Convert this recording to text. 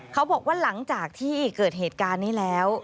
เขาบอกว่าหลังจากที่เกิดเหตุการณ์นี้แล้ว